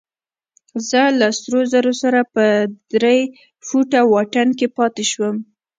زه له سرو زرو سره په درې فوټه واټن کې پاتې شوم.